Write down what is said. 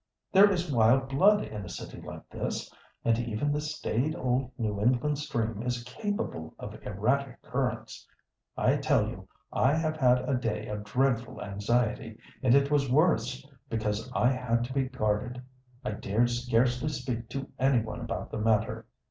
There is wild blood in a city like this, and even the staid old New England stream is capable of erratic currents. I tell you I have had a day of dreadful anxiety, and it was worse because I had to be guarded. I dared scarcely speak to any one about the matter.